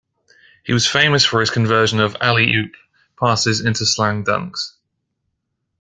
He was famous for his conversion of "alley oop" passes into slam dunks.